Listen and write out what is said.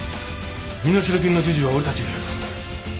身代金の授受は俺たちがやる。